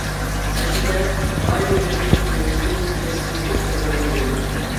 ئەسلىدە ئائىلە يېمەكلىكى قىلىنىشتىن كەسىپلىشىپ بازارغا يۈزلەندى.